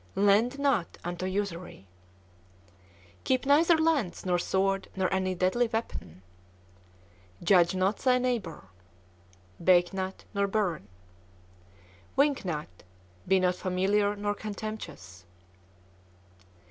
Lend not unto usury. Keep neither lance, nor sword, nor any deadly weapon. Judge not thy neighbor. Bake not, nor burn. Wink not. Be not familiar nor contemptuous.